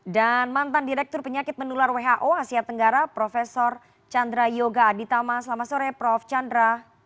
dan mantan direktur penyakit mendular who asia tenggara prof chandra yoga aditama selamat sore prof chandra